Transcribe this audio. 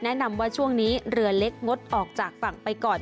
แนะนำว่าช่วงนี้เรือเล็กงดออกจากฝั่งไปก่อน